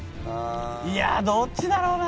いやどっちだろうな。